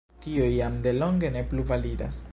Tio jam de longe ne plu validas.